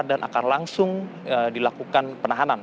dan akan langsung dilakukan penahanan